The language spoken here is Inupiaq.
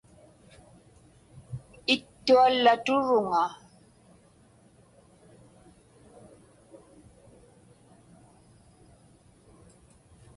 Ittuallaturuŋa.